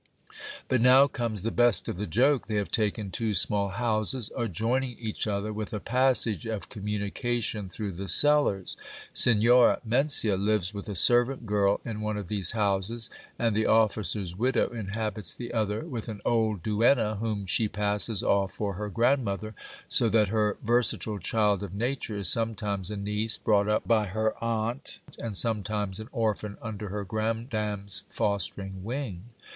But now comes the best of the joke : they have taken two small houses adjoining each other, with a passage of communication through the cellars. Signora Mencia lives with a servant girl in one of these houses, and the officer's widow inhabits the other, with an old duenna, whom she passes off for her grandmother, so that her versatile child of nature is sometimes a niece brought up by her aunt, and sometimes an orphan under her grandam's fostering wing.